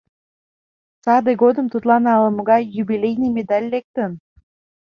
Саде годым тудлан ала-могай «юбилейный медаль» лектын.